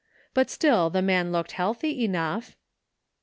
But still, the man looked healthy enough.